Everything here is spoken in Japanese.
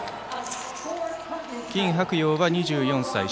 金博洋は２４歳。